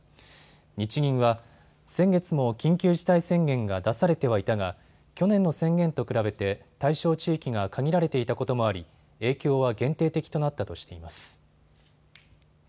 日銀は先月も緊急事態宣言が出されてはいたが去年の宣言と比べて対象地域が限られていたこともあり影響は限定的となったとしています。